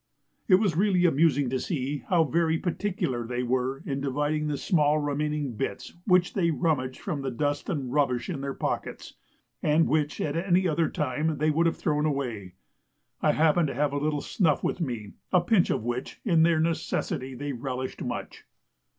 It was really amusing to see how very particular they were in dividing the small remaining bits which they rummaged from the dust and rubbish in their pockets, and which at any other time they would have thrown away. I happened to have a little snuff with me, a pinch of which, in their necessity, they relished much.